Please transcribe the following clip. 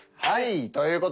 はい。